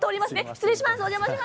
失礼します。